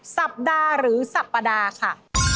สัปดาห์หรือสัปดาห์ค่ะ